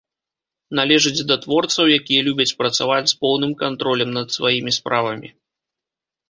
Належыць да творцаў, якія любяць працаваць з поўным кантролем над сваімі справамі.